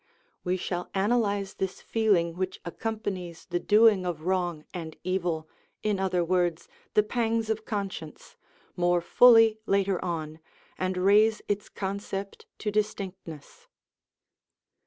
(We shall analyse this feeling which accompanies the doing of wrong and evil, in other words, the pangs of conscience, more fully later on, and raise its concept to distinctness.)